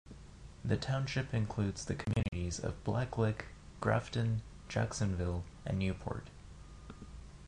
The township includes the communities of Black Lick, Grafton, Jacksonville, and Newport.